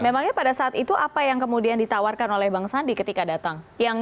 memangnya pada saat itu apa yang kemudian ditawarkan oleh bang sandi ketika datang